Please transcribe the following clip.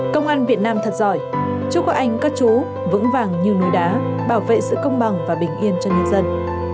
công an việt nam thật giỏi chúc các anh các chú vững vàng như núi đá bảo vệ sự công bằng và bình yên cho nhân dân